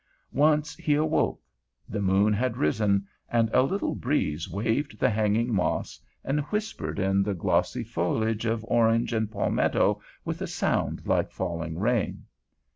Once he awoke. The moon had risen, and a little breeze waved the hanging moss, and whispered in the glossy foliage of orange and palmetto with a sound like falling rain.